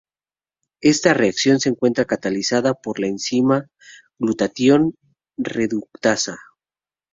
Esta reacción se encuentra catalizada por la enzima glutatión reductasa.